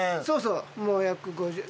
そうそう。